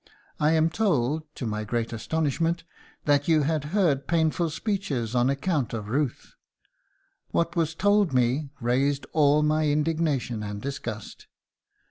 I am told, to my great astonishment, that you had heard painful speeches on account of 'Ruth'; what was told me raised all my indignation and disgust....